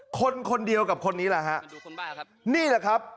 คนคนเดียวกับคนนี้ล่ะฮะมันดูคนบ้านครับนี่แหละครับ